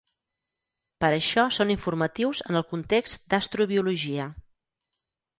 Per això són informatius en el context d'astrobiologia.